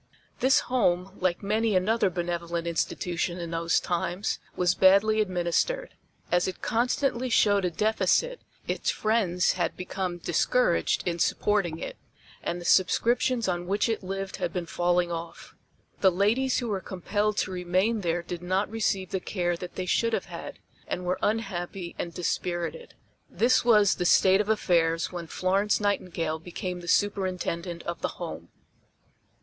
This home, like many another benevolent institution in those times, was badly administered. As it constantly showed a deficit, its friends had become discouraged in supporting it, and the subscriptions on which it lived had been falling off. The ladies who were compelled to remain there did not receive the care that they should have had, and were unhappy and dispirited. This was the state of affairs when Florence Nightingale became the Superintendent of the Home.